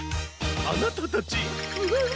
あなたたち！